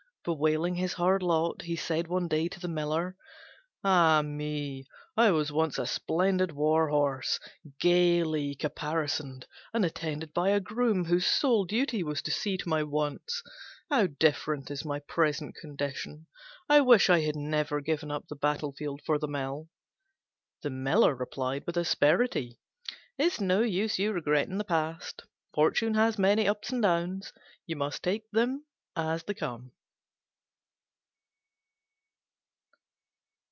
Bewailing his hard lot, he said one day to the Miller, "Ah me! I was once a splendid war horse, gaily caparisoned, and attended by a groom whose sole duty was to see to my wants. How different is my present condition! I wish I had never given up the battlefield for the mill." The Miller replied with asperity, "It's no use your regretting the past. Fortune has many ups and downs: you must just take them as they come."